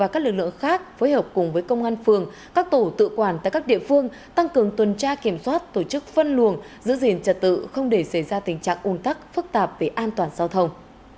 các địa phương tăng cường tuần tra kiểm soát tổ chức phân luồng giữ gìn trật tự không để xảy ra tình trạng ung tắc phức tạp về an toàn giao thông